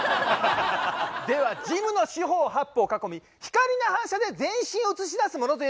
ではジムの四方八方を囲み光の反射で全身を映し出すものといえば？